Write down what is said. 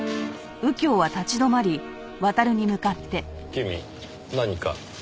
君何か？